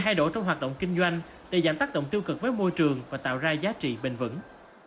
thay đổi trong hoạt động kinh doanh để giảm tác động tiêu cực với môi trường và tạo ra giá trị bền vững